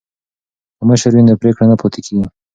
که مشر وي نو پریکړه نه پاتې کیږي.